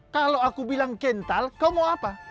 kalau aku bilang kental kau mau apa